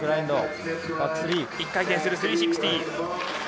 １回転する３６０。